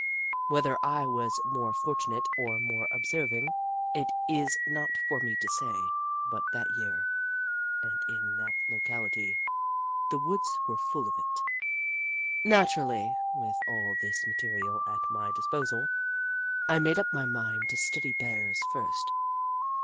Whether I was more fortunate or more observing, it is not for me to say, but that year, and in that locality, the woods were full of it. Naturally, with all this material at my dis posal, I made up my mind to study Bears first.